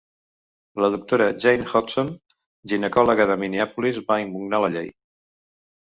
La doctora Jane Hodgson, ginecòloga de Minneapolis, va impugnar la llei.